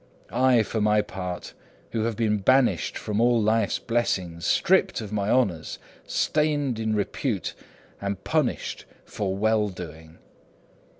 I, for my part, who have been banished from all life's blessings, stripped of my honours, stained in repute, am punished for well doing.